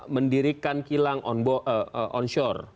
mendirikan kilang onshore